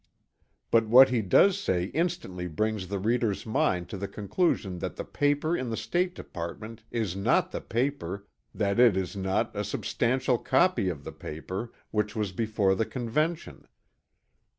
But what he does say instantly brings the reader's mind to the conclusion that the paper in the State Department is not the paper that it is not a substantial copy of the paper, which was before the Convention.